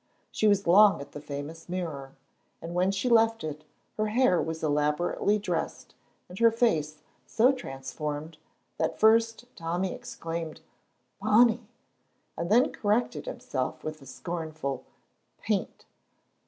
She was long at the famous mirror, and when she left it her hair was elaborately dressed and her face so transformed that first Tommy exclaimed "Bonny!" and then corrected himself with a scornful "Paint!"